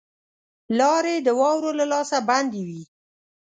لاري د واورو له لاسه بندي وې.